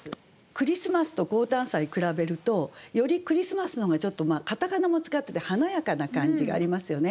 「クリスマス」と「降誕祭」比べるとより「クリスマス」の方がちょっと片仮名も使ってて華やかな感じがありますよね。